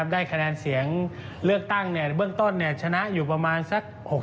ได้คะแนนเสียงเลือกตั้งเบื้องต้นชนะอยู่ประมาณสัก๖๐